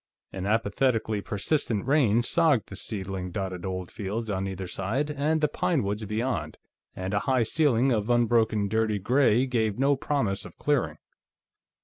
An apathetically persistent rain sogged the seedling dotted old fields on either side, and the pine woods beyond, and a high ceiling of unbroken dirty gray gave no promise of clearing.